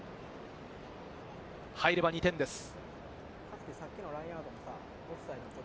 入れば２点です。